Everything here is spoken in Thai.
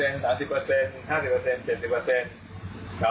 ไม่ขาวใช่มั้ยครับ